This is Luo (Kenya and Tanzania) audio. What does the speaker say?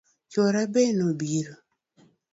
Chuora be nobiro